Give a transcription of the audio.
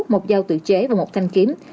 một dao tự chế và một thanh kiếm